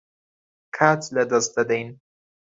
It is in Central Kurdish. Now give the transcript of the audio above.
کات لەدەست دەدەین.